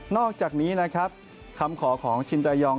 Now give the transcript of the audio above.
นอกจากนี้คำขอของชินตะยอง